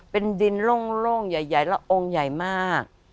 เป็นดินโล่งใหญ่แล้วองค์ใหญ่มาก